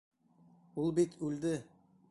Ул бит үлде.